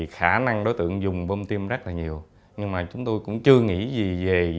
khả năng đối tượng dùng bông tim rất là nhiều nhưng chúng tôi cũng chưa nghĩ gì về